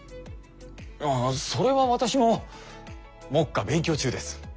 ああそれは私も目下勉強中です。